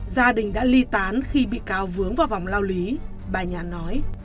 gia đình đã ly tán khi bi cáo vướng vào vòng lao lý bà nhà nói